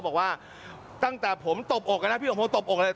บอกว่าตั้งแต่ผมตบอกกันนะพี่สมโพตบอกเลย